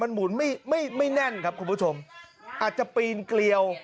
หมุนไม่ไม่แน่นครับคุณผู้ชมอาจจะปีนเกลียว